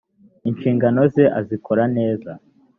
inshingano ze azikoraneza.